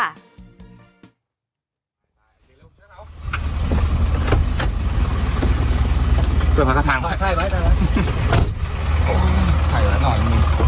ไขอยู่ข้างนอกเหมือนกัน